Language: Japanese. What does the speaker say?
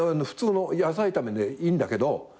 普通の野菜炒めでいいんだけど。